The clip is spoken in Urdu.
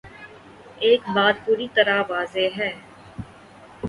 ایک بات پوری طرح واضح ہے۔